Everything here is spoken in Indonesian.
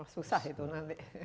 susah itu nanti